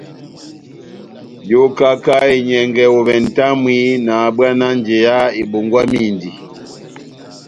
Yokaka enyɛngɛ ovɛ nʼtamwi nahabwana njeya ebongwamindi.